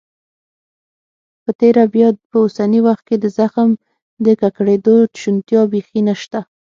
په تیره بیا په اوسني وخت کې د زخم د ککړېدو شونتیا بيخي نشته.